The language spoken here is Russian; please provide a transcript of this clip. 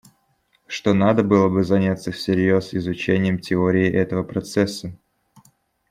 Что надо было бы заняться всерьез изучением теории этого процесса.